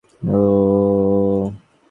Meera telephone নামিয়ে রেখে খানিকক্ষণ কাঁদলেন।